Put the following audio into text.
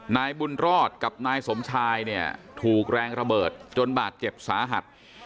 นายบุญรอดกับนายสมชายเนี่ยถูกแรงระเบิดจนบาดเจ็บสาหัส